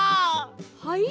はい？